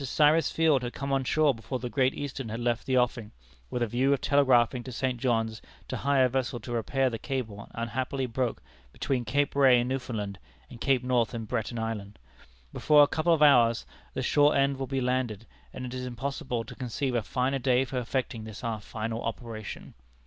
Cyrus Field had come on shore before the Great Eastern had left the offing, with a view of telegraphing to St. John's to hire a vessel to repair the cable unhappily broken between Cape Ray, in Newfoundland, and Cape North, in Breton Island. Before a couple of hours the shore end will be landed, and it is impossible to conceive a finer day for effecting this our final operation.